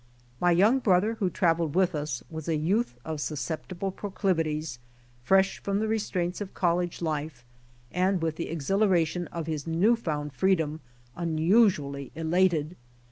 My young brother who traveled with us was a youth of susceptible proclivities, fresh from the re straints of college life, and with the exhilaration of his new found freedom unusually elated.